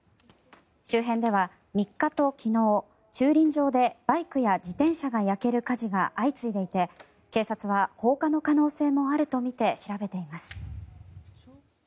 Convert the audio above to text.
周辺では３日と昨日、駐輪場でバイクや自転車が焼ける火事が相次いでいて警察は放火の可能性もあるとみて調べています。